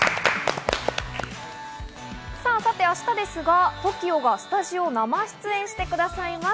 明日ですが、ＴＯＫＩＯがスタジオ生出演してくださいます。